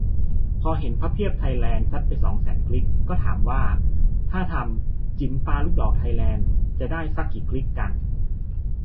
พอเห็น "พับเพียบไทยแลนด์" ซัดไปแสนสองคลิก ก็ถามว่า ถ้าทำ "จิ๋มปาลูกดอกไทยแลนด์" จะได้ซักกี่คลิกกัน ?